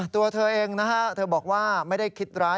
ตัวเธอเองนะฮะเธอบอกว่าไม่ได้คิดร้าย